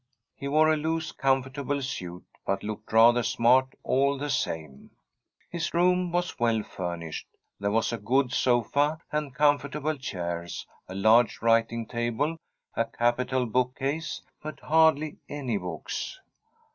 He wore a loose, comfortable suit, but looked rather smart all the same. His room was well furnished. There was a good sofa and comfortable chairs, a large writ ing table, a capital bookcase, but hardly any books.